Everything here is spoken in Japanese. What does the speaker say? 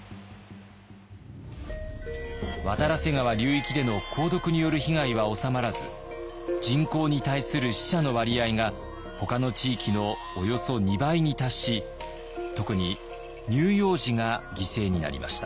渡良瀬川流域での鉱毒による被害は収まらず人口に対する死者の割合がほかの地域のおよそ２倍に達し特に乳幼児が犠牲になりました。